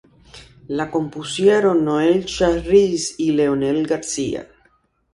La compusieron Noel Schajris y Leonel García.